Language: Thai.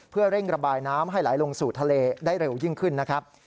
เพื่อเร่งระบายน้ำให้ไหลลงสู่ทะเลได้เร็วยิ่งขึ้นนะครับ